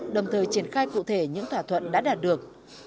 đồng thời triển khai cụ thể những thỏa thuận đã đạt được